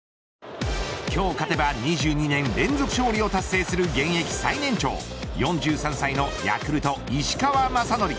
今日勝てば２２年連続勝利を達成する現役最年長４３歳のヤクルト石川雅規。